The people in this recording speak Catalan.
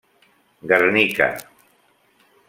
Guernica.